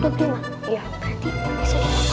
berarti besoknya mau balik